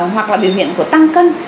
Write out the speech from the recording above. hoặc là biểu hiện của tăng cân